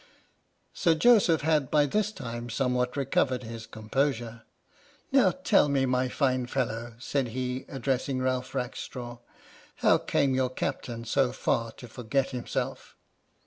Sir Joseph had by this time somewhat recovered his composure " Now tell me, my fine fellow," said he, addressing Ralph Rackshaw, " How came your Captain so far to forget himself?"